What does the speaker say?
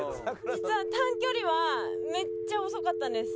実は短距離はめっちゃ遅かったんです。